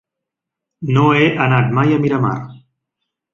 No he anat mai a Miramar.